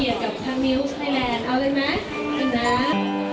นี่แหละค่ะรู้สึกว่ามันจะเบาไม่ดับค่ะ